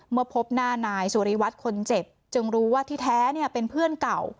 พบหน้านายสุริวัตรคนเจ็บจึงรู้ว่าที่แท้เป็นเพื่อนเก่า